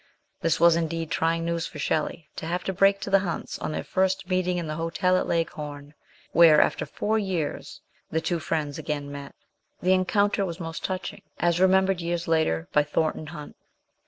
This was indeed trying news for Shelley to have to break to the Hunts on their first meeting in the hotel at Leghorn, where, after four years, the two friends again met. The encounter was most touch ing, as remembered years later by Thornton Hunt.